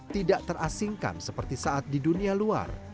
tidak terasingkan seperti saat di dunia luar